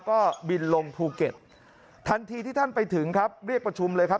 ก็บินลงภูเก็ตทันทีที่ท่านไปถึงครับเรียกประชุมเลยครับ